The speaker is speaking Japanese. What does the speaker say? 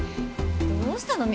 どうしたの？